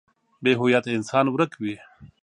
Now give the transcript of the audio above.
بې هويته انسان ورک وي.